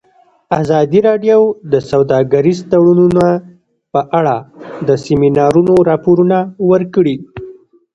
ازادي راډیو د سوداګریز تړونونه په اړه د سیمینارونو راپورونه ورکړي.